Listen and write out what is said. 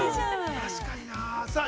確かになあ。